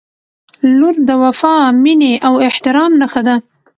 • لور د وفا، مینې او احترام نښه ده.